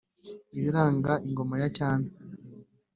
ibiranga ingoma ya cyami.